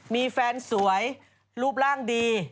มีแฟนสวยรูปร่างดี